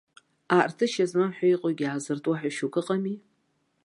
Аартышьа змам ҳәа иҟоугьы аазыртуа ҳәа шьоук ыҟами.